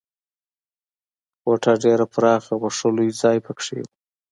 کوټه ډېره پراخه وه، ښه لوی ځای پکې و.